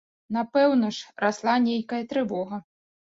Напэўна ж, расла нейкая трывога.